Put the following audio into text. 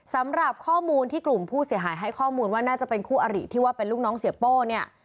สำหรับข้อมูลที่กลุ่มผู้เสียหายให้ข้อมูลว่าน่าจะเป็นคู่อริที่ว่าเป็นลูกน้องเสียโป้เนี่ย